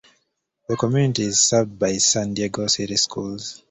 The community is served by the San Diego City Schools.